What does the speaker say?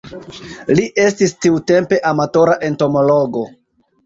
Li estis tiutempe amatora entomologo.